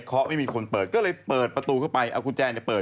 กลัวว่าผมจะต้องไปพูดให้ปากคำกับตำรวจยังไง